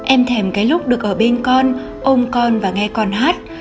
em thèm cái lúc được ở bên con ôm con và nghe con hát